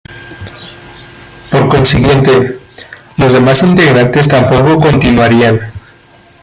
Por consiguiente, los demás integrantes tampoco continuarían.